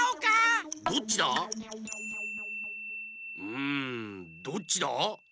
うんどっちだ？